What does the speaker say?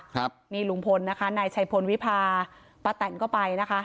ครับนี่ลุงพลนะคะนายชัยพลวิพาป้าแตนก็ไปนะคะ